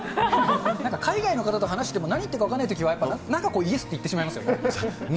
なんか海外の方と話しても何言ってるか分かんないときは、やっぱりなんかこう、イエスって言ってしまいますよね。